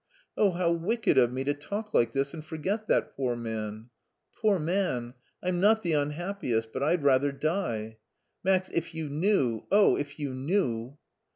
" Oh, how wicked of me to talk like this and forget that poor man ! Poor man ! I'm not the unhappiest, but I'd rather die. Max, if you knew, oh, if you knew!"